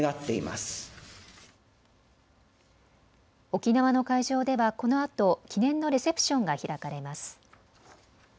沖縄の会場ではこのあと記念のレセプションが開かれます。